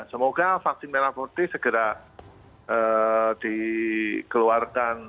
semoga vaksin merah putih segera dikeluarkan